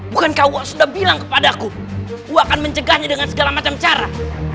bukankah sudah bilang kepadaku aku akan mencegahnya dengan segala macam cara